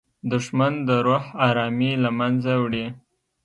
دښمن د روح ارامي له منځه وړي